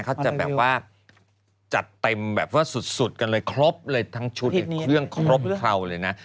เขาจะแบบว่าจัดเต็มแบบว่าสุดกันเลยครบเลยทั้งชุดเครื่องครบเคราวเลยนะ